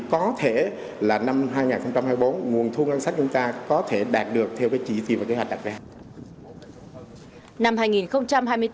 có thể là năm hai nghìn hai mươi bốn nguồn thu ngân sách chúng ta có thể đạt được theo chỉ thị và kế hoạch đặc biệt